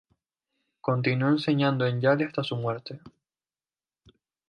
Continuó enseñando en Yale hasta su muerte.